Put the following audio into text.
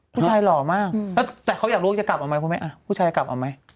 ผู้ชายหล่อมากแต่เขาอยากรู้ว่าจะกลับออกไหมคุณแม่